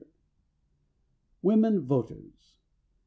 =Women Voters.